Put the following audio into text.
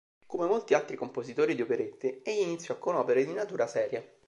Come molti altri compositori di operette, egli iniziò con opere di natura seria.